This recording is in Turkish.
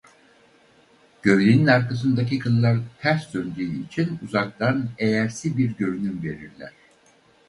Gövdenin arkasındaki kıllar ters döndüğü için uzaktan eyersi bir görünüm verirler.